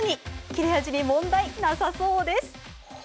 切れ味に問題なさそうです。